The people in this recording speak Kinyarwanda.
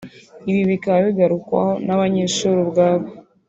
Ibi bikaba bigarukwaho n’abanyeshuri ubwabo